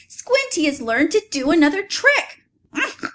"Squinty has learned to do another trick!"